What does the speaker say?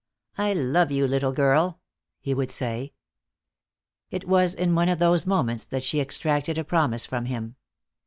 "I love you, little girl," he would say. It was in one of those moments that she extracted a promise from him.